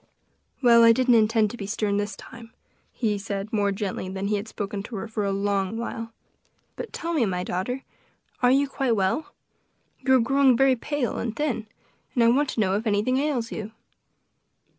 "Well, I didn't intend to be stern this time," he said more gently than he had spoken to her for a long while; "but tell me, my daughter, are you quite well? you are growing very pale and thin, and I want to know if anything ails you."